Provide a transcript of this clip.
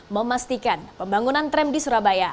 memastikan pembangunan tram di surabaya